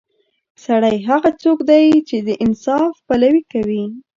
سړی هغه څوک دی چې د انصاف پلوي کوي.